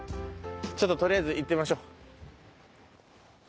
ちょっととりあえず行ってみましょう。